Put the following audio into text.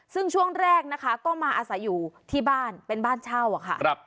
ซึ่งช่วงแรกนะคะก็มาอาศัยอยู่ที่บ้านเป็นบ้านเช่าอะค่ะ